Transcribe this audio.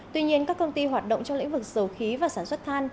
tuy nhiên các công ty hoạt động trong lĩnh vực dầu khí và sản xuất than